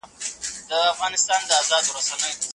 طلاق په لغت کي څه معنی لري؟